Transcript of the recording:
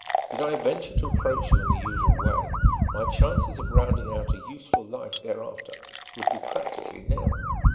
"Did I venture to approach you in the usual way, my chances of rounding out a useful life thereafter would be practically nil.